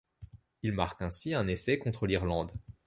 Il marque ainsi un essai contre l'Irlande.